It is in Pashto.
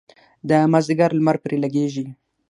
د مازدیګر لمر پرې لګیږي.